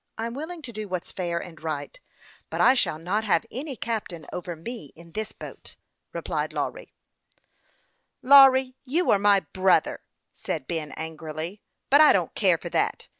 I'm willing to do what's fair and right ; but I shall not have any captain over me in this boat," replied Lawry, firmly, but kindly. " Lawry, you are my brother," said Ben, angrily ;" but I don't care for that.